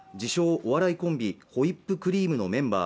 お笑いコンビ、ホイップクリームのメンバー